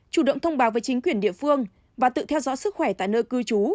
chủ động thông báo với chính quyền địa phương và tự theo dõi sức khỏe tại nơi cư trú